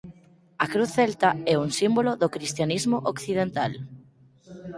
A cruz celta é un símbolo do cristianismo occidental.